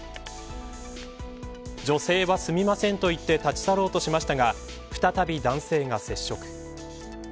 女性は、すみませんと言って立ち去ろうとしましたが再び男性が接触。